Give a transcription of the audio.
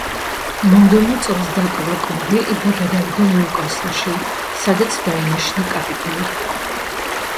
მომდევნო წელს დატოვა კლუბი და გადავიდა „ნიუკასლში“, სადაც დაინიშნა კაპიტნად.